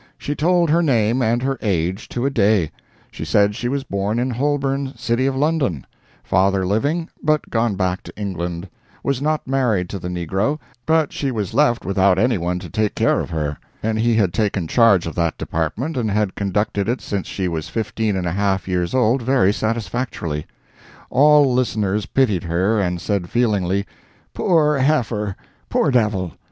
She told her name, and her age, to a day; she said she was born in Holborn, City of London; father living, but gone back to England; was not married to the negro, but she was left without any one to take care of her, and he had taken charge of that department and had conducted it since she was fifteen and a half years old very satisfactorily. All listeners pitied her, and said feelingly: "Poor heifer! poor devil!"